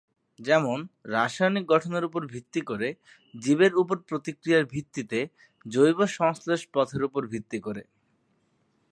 যেমন- রাসায়নিক গঠনের উপর ভিত্তি করে, জীবের উপর প্রতিক্রিয়ার ভিত্তিতে, জৈব-সংশ্লেষ পথের উপর ভিত্তি করে।